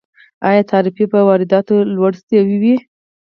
آیا تعرفې په وارداتو لوړې شوي؟